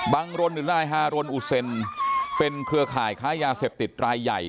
รนหรือนายฮารนอุเซนเป็นเครือข่ายค้ายาเสพติดรายใหญ่